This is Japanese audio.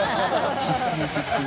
必死に必死に。